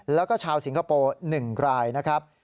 แล้วก็ชาวสิงคโปร์๑รายนะครับ